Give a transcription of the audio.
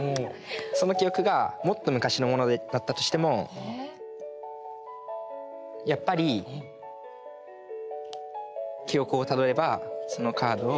その記憶がもっと昔のものだったとしてもやっぱり記憶をたどればそのカードを。